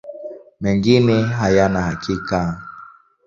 Mengine hayana hakika.